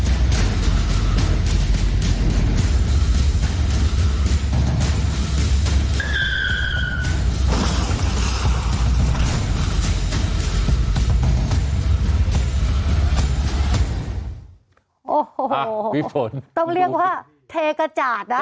โอ้โหต้องเรียกว่าเทกจาดนะ